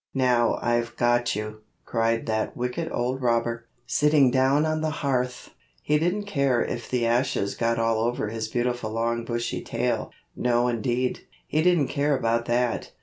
"Now I've got you," cried that wicked old robber, sitting down on the hearth. He didn't care if the ashes got all over his beautiful long bushy tail. No indeed. He didn't care about that.